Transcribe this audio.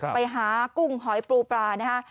หากุ้งหอยปูปลานะฮะ